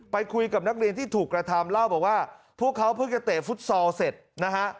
ไปคุยกับนักเรียนที่ถูกกระทำเล่าบอกว่าพวกเขาเพิ่งจะเตะฟุตซอลเสร็จนะฮะ